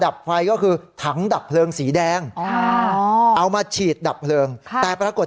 ดับไฟก็คือถังดับเพลิงสีแดงอ๋อเอามาฉีดดับเพลิงแต่ปรากฏ